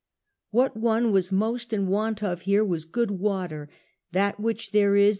What one was most in want of here was good Avater ; that which there is.